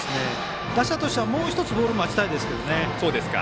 打者としてはもう１つボールを待ちたいですけどね。